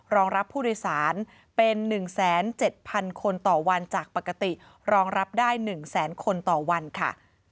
รองรับผู้โดยสารเป็น๑๗๐๐คนต่อวันจากปกติรองรับได้๑แสนคนต่อวันค่ะ